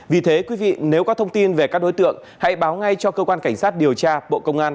vì thế quý vị nếu có thông tin về các đối tượng hãy báo ngay cho cơ quan cảnh sát điều tra bộ công an